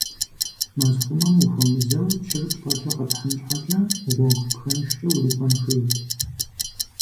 Мэзхъумэм ухуэмызэу чыр плӀэкӀэ къэпхьын щхьэкӀэ гъуэгу пхэнжкӏэ урикӏуэн хуейт.